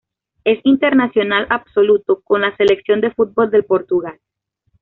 Es internacional absoluto con la selección de fútbol de Portugal.